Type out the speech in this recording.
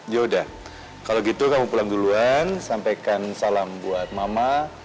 ya udah kalau gitu kamu pulang duluan sampaikan salam buat mama